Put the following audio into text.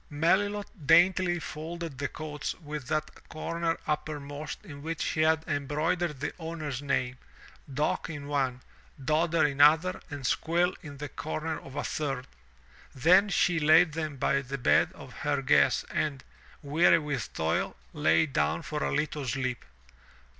Melilot daintily folded the coats with that comer upper most in which she had embroidered the owner's name — Dock in one. Dodder in another, and Squill in the comer of a third. Then she laid them by the bed of her guests and, weary with toil, lay down for a little sleep.